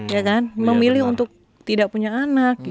iya kan memilih untuk tidak punya anak gitu